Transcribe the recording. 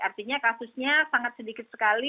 artinya kasusnya sangat sedikit sekali